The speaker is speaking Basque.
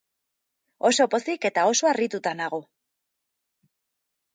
Oso pozik eta oso harrituta nago.